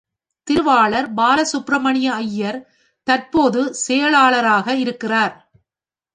திருவாளர் பாலசுப்பிரமணிய ஐயர் தற்போது செயலாளராக இருக்கிறார்.